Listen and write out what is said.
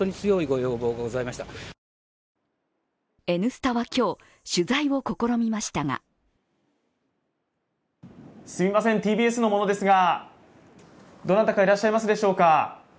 「Ｎスタ」は今日、取材を試みましたがすみません、ＴＢＳの者ですが、どなたからいらっしゃいますでしょうか。